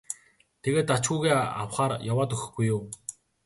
тэгээд ач хүүгээ авахаар яваад өгөхгүй юу.